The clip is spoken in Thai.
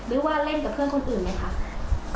หรือว่าเล่นกับเพื่อนคนอื่นไหมคะ